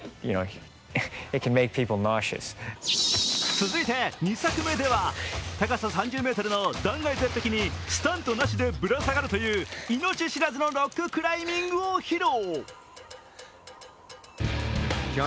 続いて２作目では、高さ３０ｍの断崖絶壁にスタントなしでぶら下がるという、命知らずのロッククライミングを披露。